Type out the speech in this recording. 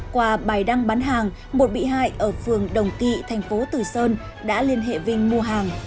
qua bài đăng bán hàng một bị hại ở phường đồng tị thành phố từ sơn đã liên hệ vinh mua hàng